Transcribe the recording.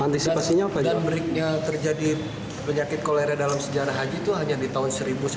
dan beriknya terjadi penyakit kolera dalam sejarah haji itu hanya di tahun seribu sembilan ratus delapan